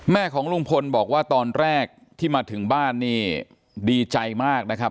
ของลุงพลบอกว่าตอนแรกที่มาถึงบ้านนี่ดีใจมากนะครับ